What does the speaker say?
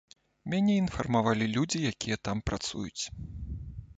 Мяне інфармавалі людзі, якія там працуюць.